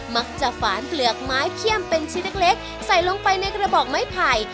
ฝานเปลือกไม้เขี้ยมเป็นชิ้นเล็กใส่ลงไปในกระบอกไม้ไผ่